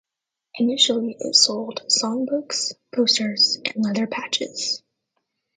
Initially it sold song books, posters and leather patches.